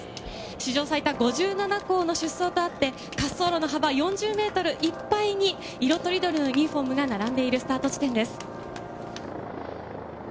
史上最多、５７校の出走とあって、滑走路の幅４０メートルいっぱいに色とりどりのユニホームが並んでいるスタート地点です。